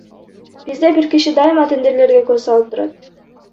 Бизде бир киши дайыма тендерлерге көз салып турат.